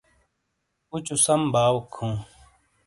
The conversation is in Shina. اوچو سم باؤک ہوں۔